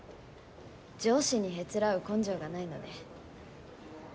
上司にへつらう根性がないので。